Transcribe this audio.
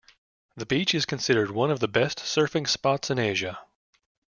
The beach is considered one of the best surfing spots in Asia.